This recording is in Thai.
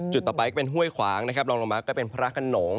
จุดต่อไปเป็นห้วยขวางลองลงมาก็เป็นพระขนง